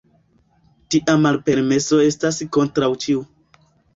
Tia malpermeso estas kontraŭ ĉiu.